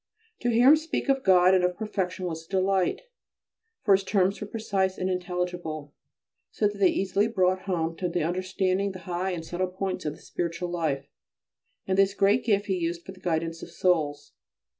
To hear him speak of God and of perfection was a delight, for his terms were precise and intelligible, so that they easily brought home to the understanding the high and subtle points of the spiritual life and this great gift he used for the guidance of souls.